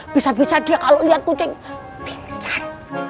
bisa bisa dia kalau lihat kucing pisang